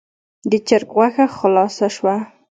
د چرګ غوښه خلاصه شوه.